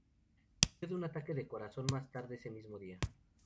Murió de un ataque de corazón más tarde ese mismo dia.